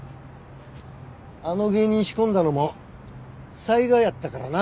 あの芸人仕込んだのも才賀やったからな。